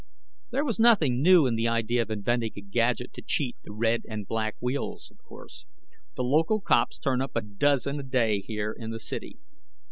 There was nothing new in the idea of inventing a gadget to cheat the red and black wheels, of course; the local cops turn up a dozen a day here in the city.